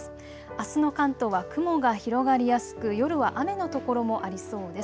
あすの関東は雲が広がりやすく夜は雨の所もありそうです。